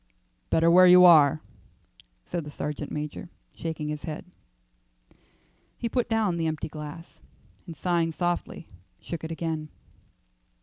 "Better where you are," said the sergeant major, shaking his head. He put down the empty glass, and sighing softly, shook it again.